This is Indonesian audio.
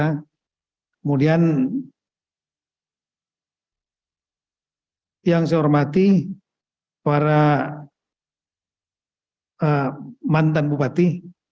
kemudian yang saya hormati para mantan bupati